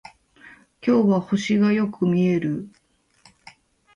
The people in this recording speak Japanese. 今日は星がよく見える